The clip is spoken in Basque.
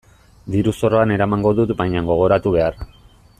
Diru-zorroan eramango dut baina gogoratu behar.